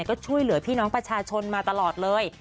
ก็ช่วยเหลือพี่น้องประชาชนมาตลอดเลย